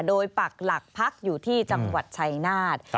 โดยปักหลักพักอยู่ที่จังหวัดชัยนาธ